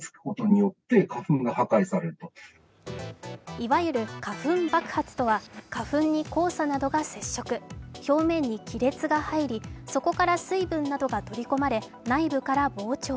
いわゆる花粉爆発とは花粉に黄砂などが接触表面に亀裂が入り、そこから水分などが取り込まれ、内部から膨張。